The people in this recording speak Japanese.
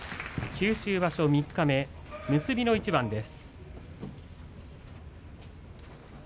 九州場所三日目結びの一番です。